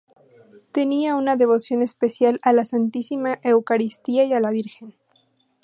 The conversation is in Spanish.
Tenía una devoción especial a la Santísima Eucaristía y a la Virgen.